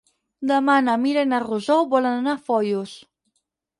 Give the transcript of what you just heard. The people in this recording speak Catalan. Demà na Mira i na Rosó volen anar a Foios.